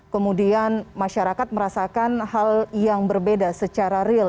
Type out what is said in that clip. kemudian masyarakat merasakan hal yang berbeda secara real